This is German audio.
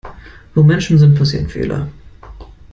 Wo Menschen sind, passieren Fehler.